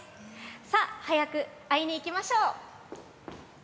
さあ、早く会いに行きましょう。